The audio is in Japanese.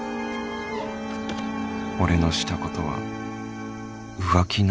俺のしたことは浮気なのか